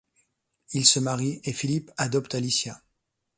Ils se marient, et Phillip adopte Alicia.